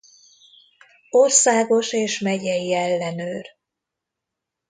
Országos és megyei ellenőr.